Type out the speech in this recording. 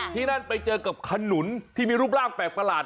ที่นั่นไปเจอกับขนุนที่มีรูปร่างแปลกประหลาด